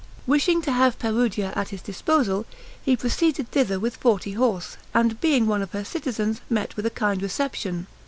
Wishing to have Perugia at his disposal, he proceeded thither with forty horse, and being one of her citizens, met with a kind reception.